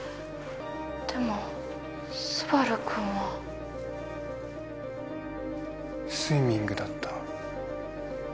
でも昴くんは。スイミングだった。